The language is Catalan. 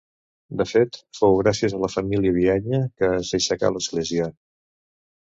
De fet, fou gràcies a la família Bianya que s'aixecà l'església.